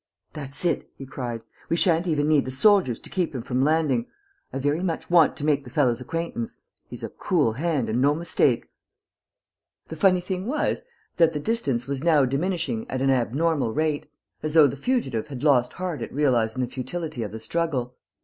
"That's it!" he cried. "We shan't even need the soldiers to keep him from landing. I very much want to make the fellow's acquaintance. He's a cool hand and no mistake!" The funny thing was that the distance was now diminishing at an abnormal rate, as though the fugitive had lost heart at realizing the futility of the struggle.